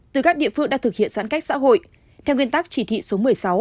từ các địa phương đã thực hiện giãn cách xã hội theo nguyên tắc chỉ thị số một mươi sáu